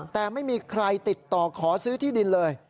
แต่ไม่มีใครติดต่อขอซื้อที่ดินเลย